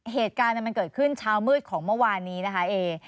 เหตุการณ์มันเกิดขึ้นเช้ามืดของเมื่อวานนี้นะคะเอ